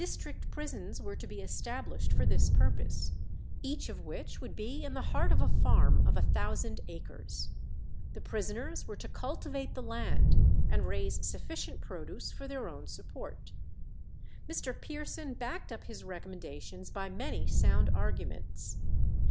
District prisons were to be established for this purpose, each of which would be in the heart of a farm of a thousand acres. The prisoners were to cultivate the land and raise sufficient produce for their own support. Mr. Pearson backed up his recommendations by many sound arguments.